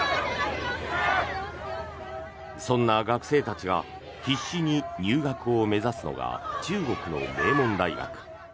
そんな学生たちが必死に入学を目指すのが中国の名門大学。